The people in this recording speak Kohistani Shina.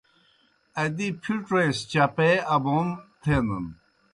ادی پِھڇوْئے سہ چپے ابوم تھینَن۔